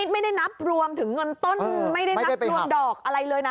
ไม่ได้นับรวมถึงเงินต้นไม่ได้นับรวมดอกอะไรเลยนะ